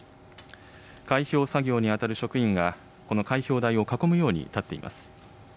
開票作業に当たる職員がこの開票台を囲むように立っています。